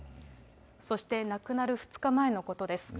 そして亡くなる２日前のことです。